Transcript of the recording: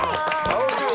楽しみ！